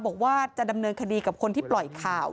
บอกว่าจะดำเนินคดีกับคนที่ปล่อยข่าว